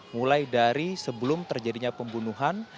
mulai dari sebelum terjadinya pembunuhan